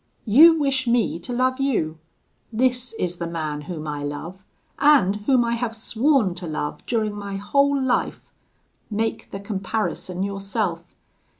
You wish me to love you: this is the man whom I love, and whom I have sworn to love during my whole life: make the comparison yourself.